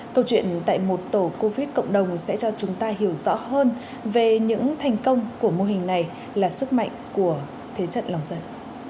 câu chuyện tại một tổ covid cộng đồng sẽ cho chúng ta hiểu rõ hơn về những thành công của mô hình này là sức mạnh của thế trận lòng dân